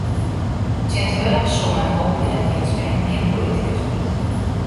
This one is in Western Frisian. Tsjintwurdich soe men hoopje dat jins bern gjin politikus wurdt.